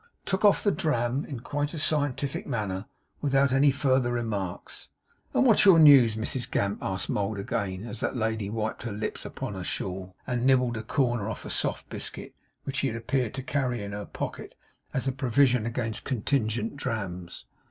took off the dram in quite a scientific manner, without any further remarks. 'And what's your news, Mrs Gamp?' asked Mould again, as that lady wiped her lips upon her shawl, and nibbled a corner off a soft biscuit, which she appeared to carry in her pocket as a provision against contingent drams.